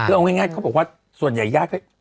คือเอาง่ายเขาบอกว่าส่วนใหญ่ญาติก็